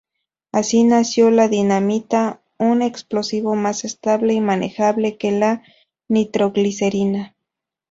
Así nació la dinamita, un explosivo más estable y manejable que la nitroglicerina.